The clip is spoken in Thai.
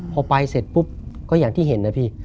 พอไปเสร็จปุ๊บก็อย่างที่เห็นนะพี่